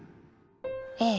ええ。